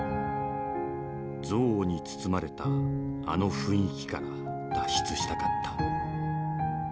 「憎悪に包まれたあの雰囲気から脱出したかった。